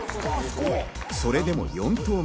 それでも４投目。